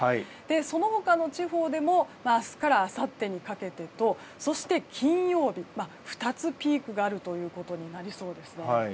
その他の地方でも明日からあさってにかけてとそして金曜日、２つピークがあるということになりそうです。